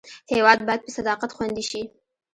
هېواد باید په صداقت خوندي شي.